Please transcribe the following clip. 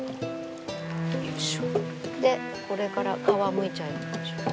でこれから皮むいちゃいましょう。